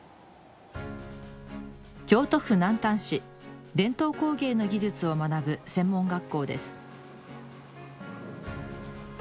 京都府南丹市伝統工芸の技術を学ぶ専門学校です